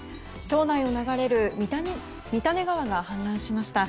町内を流れる三種川が氾濫しました。